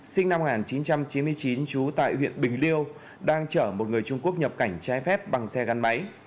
sinh năm một nghìn chín trăm chín mươi chín trú tại huyện bình liêu đang chở một người trung quốc nhập cảnh trái phép bằng xe gắn máy